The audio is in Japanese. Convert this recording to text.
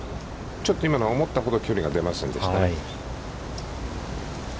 ちょっと今の思ったほど距離が出ませんでしたね。